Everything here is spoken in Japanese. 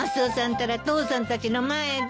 ったら父さんたちの前で。